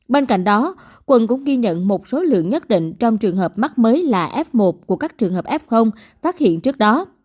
bên cạnh đó quận cũng ghi nhận một số lượng nhất định trong trường hợp mắc mới là f một của các trường hợp f phát hiện trước đó